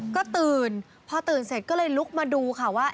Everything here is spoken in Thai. ก็ตื่นพอตื่นเสร็จก็เลยลุกมาดูค่ะว่า